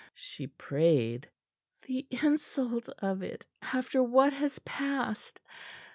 she prayed. "The insult of it after what has passed!